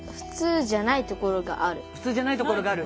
普通じゃないところがある。